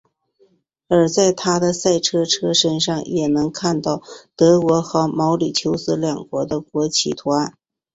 而在他的赛车车身上也能看到德国和毛里求斯两国的国旗图案。